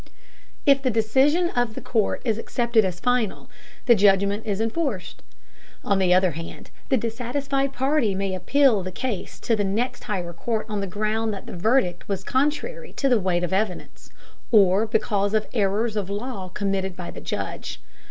If the decision of the court is accepted as final, the judgment is enforced. On the other hand, the dissatisfied party may appeal the case to the next higher court on the ground that the verdict was contrary to the weight of evidence, or because of errors of law committed by the judge.